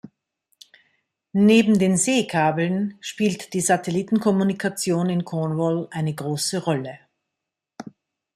Neben den Seekabeln spielt die Satellitenkommunikation in Cornwall eine große Rolle.